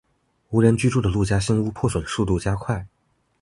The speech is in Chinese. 无人居住的陆家新屋破损速度加快。